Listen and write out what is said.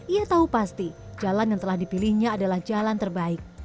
ia tahu pasti jalan yang telah dipilihnya adalah jalan terbaik